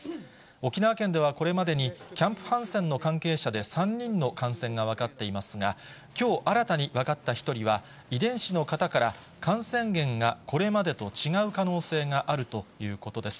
沖縄県ではこれまでにキャンプ・ハンセンの関係者で３人の感染が分かっていますが、きょう新たに分かった１人は、遺伝子の型から感染源がこれまでと違う可能性があるということです。